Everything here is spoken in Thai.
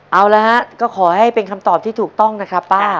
เอาละฮะก็ขอให้เป็นคำตอบที่ถูกต้องนะครับป้า